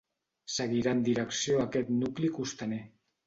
Seguirà en direcció a aquest nucli costaner.